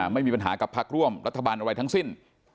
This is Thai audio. ไม่มีปัญหากับพักร่วมรัฐบาลอะไรทั้งสิ้น